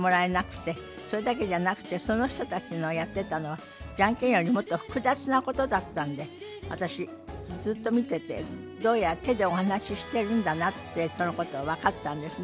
それだけじゃなくてその人たちのやってたのはジャンケンよりもっと複雑なことだったんで私ずっと見ててどうやら手でお話ししてるんだなってそのことが分かったんですね。